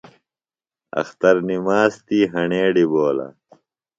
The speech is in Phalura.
اختر نِماس تی ہݨے ڈِبولہ۔